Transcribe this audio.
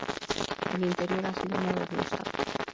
El interior ha sido modernizado.